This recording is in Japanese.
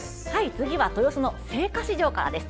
次は豊洲青果市場からです。